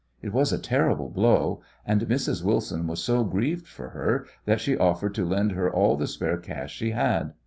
It was a terrible blow, and Mrs. Wilson was so grieved for her that she offered to lend her all the spare cash she had.